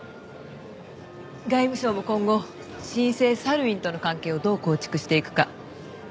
外務省も今後新生サルウィンとの関係をどう構築していくか大変ね。